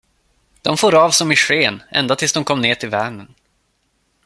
De for av som i sken ända tills de kom ner till Vänern.